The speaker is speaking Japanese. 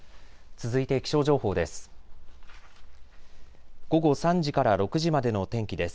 続いて気象情報です。